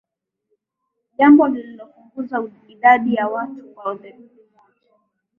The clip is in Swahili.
jambo lililopunguza idadi ya watu kwa theluthi moja